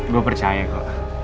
gue percaya kok